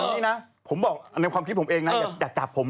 อันนี้นะผมบอกในความคิดผมเองนะ